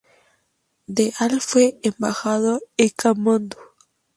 De al fue embajador en Katmandú.